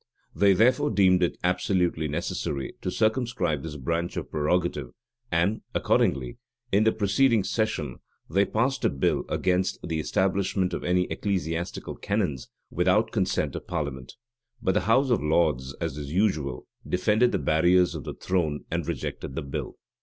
They therefore deemed it absolutely necessary to circumscribe this branch of prerogative; and accordingly, in the preceding session, they passed a bill against the establishment of any ecclesiastical canons without consent of parliament.[*] But the house of lords, as is usual, defended the barriers of the throne, and rejected the bill.